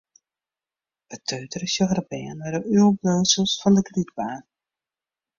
Beteutere sjogge de bern nei de oerbliuwsels fan de glydbaan.